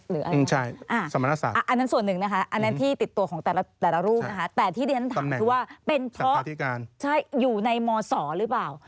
อันนั้นส่วนหนึ่งนะคะอันนั้นที่ติดตัวของแต่ละรูปนะคะแต่ที่เรียนถามคือว่าเป็นเพราะอยู่ในมศหรือเปล่า